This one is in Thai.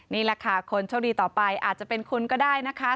นี่แหละค่ะคนโชคดีต่อไปอาจจะเป็นคุณก็ได้นะคะ